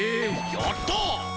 やった！